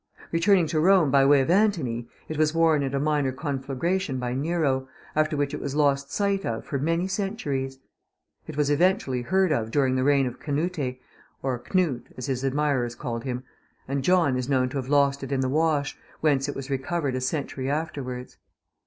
Returning to Rome by way of Antony, it was worn at a minor conflagration by Nero, after which it was lost sight of for many centuries. It was eventually heard of during the reign of Canute (or Knut, as his admirers called him); and John is known to have lost it in the Wash, whence it was recovered a century afterwards.